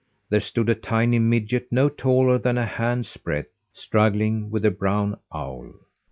There stood a tiny midget, no taller than a hand's breadth, struggling with a brown owl.